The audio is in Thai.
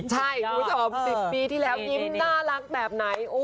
ใช่คุณผู้ชม๑๐ปีที่แล้วยิ้มน่ารักแบบไหน